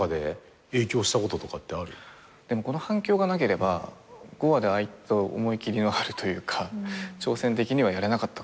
でもこの反響がなければ５話でああいった思い切りのあるというか挑戦的にはやれなかったかもしれないっすよね。